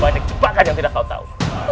banyak cepat aja yang tidak kau tahu